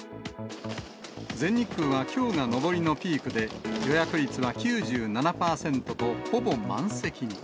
全日空はきょうが上りのピークで、予約率は９７％と、ほぼ満席に。